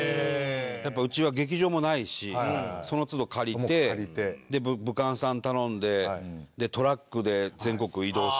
やっぱうちは劇場もないしその都度借りて舞監さん頼んでトラックで全国移動するから。